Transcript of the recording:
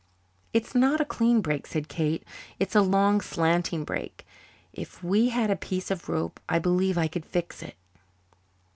"It's not a clean break," said Kate. "It's a long, slanting break. If we had a piece of rope I believe I could fix it."